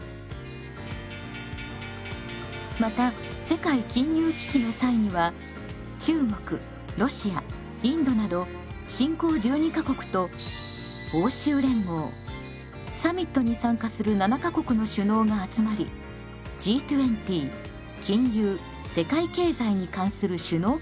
また世界金融危機の際には中国ロシアインドなど新興１２か国と欧州連合サミットに参加する７か国の首脳が集まりＧ２０が開かれました。